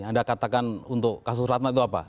anda katakan untuk kasus ratna itu apa